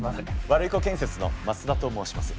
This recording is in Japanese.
ワルイコ建設の増田と申します。